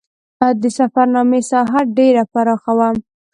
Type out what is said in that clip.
د سفرنامې ساحه ډېره پراخه وه.